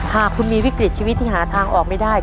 หากคุณมีวิกฤตชีวิตที่หาทางออกไม่ได้